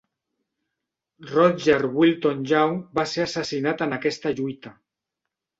Rodger Wilton Young va ser assassinat en aquesta lluita.